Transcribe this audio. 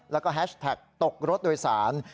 แล้วก็แฮชแท็กตกรถโดยสาร